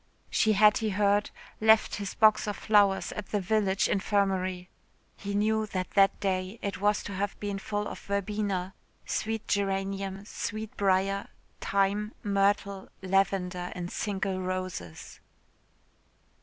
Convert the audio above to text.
She had, he heard, left his box of flowers at the village infirmary. He knew that that day it was to have been full of verbena, sweet geranium, sweet briar, thyme, myrtle, lavender and single roses....